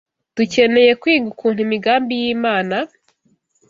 Dukeneye kwiga ukuntu imigambi y’Imana